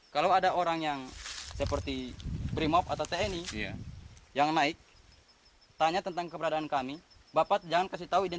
kalau bapak kasih tahu